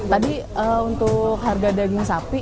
tadi untuk harga daging sapi